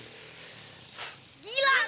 gila kau orangnya